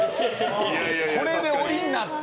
これで下りるなって。